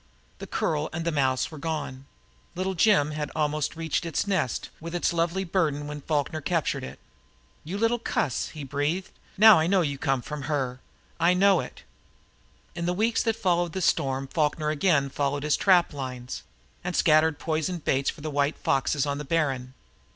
The curl and the mouse were gone! Little Jim had almost reached its nest with its lovely burden when Falkner captured it. "You little cuss!" he breathed reverently. "Now I know you come from her! I know it!" In the weeks that followed the storm Falkner again followed his trap lines, and scattered poison baits for the white foxes on the Barren.